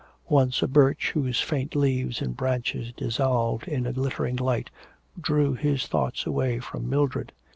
Once a birch, whose faint leaves and branches dissolved in a glittering light, drew his thoughts away from Mildred.